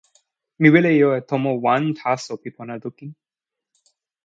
mi wile jo e tomo wan taso pi pona lukin.